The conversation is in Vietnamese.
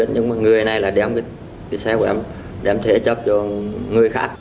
nhưng mà người này là đem cái xe của em đem thể chấp cho người khác